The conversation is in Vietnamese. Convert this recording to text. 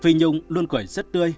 phi nhung luôn cười rất tươi